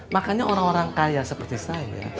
makanya orang orang kaya seperti saya